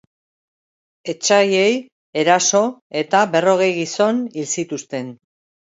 Etsaiei eraso eta berrogei gizon hil zituzten.